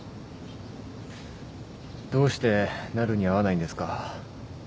どうしてなるに会わないんですか？